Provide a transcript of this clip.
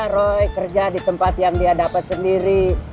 roy kerja di tempat yang dia dapat sendiri